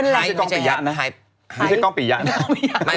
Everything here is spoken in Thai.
ไม่ใช่ก้องปียะนะ